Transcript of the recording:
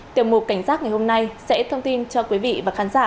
tiểu mục cảnh giác ngày hôm nay sẽ thông tin cho quý vị và khán giả